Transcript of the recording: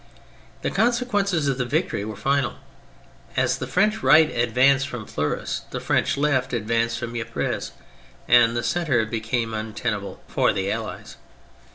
The consequences of the victory were final. As the French right advanced from Fleurus the French left advanced from Ypres, and the centre became untenable for the Allies.